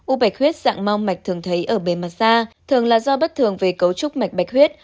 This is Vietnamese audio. u bạch huyết dạng mau mạch thường thấy ở bề mặt da thường là do bất thường về cấu trúc mạch bạch huyết